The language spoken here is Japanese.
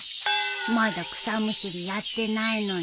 まだ草むしりやってないのに